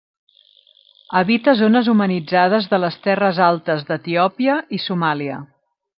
Habita zones humanitzades de les terres altes d'Etiòpia i Somàlia.